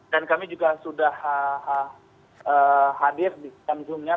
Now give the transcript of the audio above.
dan kami juga sudah hadir di tamzumnya